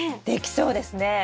できそうですね。